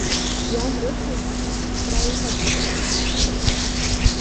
Иан рыцҳагьы, ишԥсра иҟаз, лыԥсы ҭалеит.